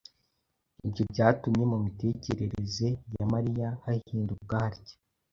Ibyo byatumye mu mitekerereze ya Mariya hahinduka hatya: